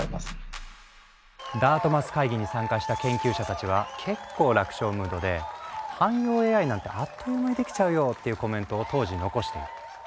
ダートマス会議に参加した研究者たちは結構楽勝ムードで「汎用ＡＩなんてあっという間にできちゃうよ」っていうコメントを当時残している。